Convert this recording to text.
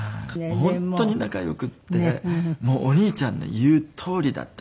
本当に仲良くてお兄ちゃんの言うとおりだったんです。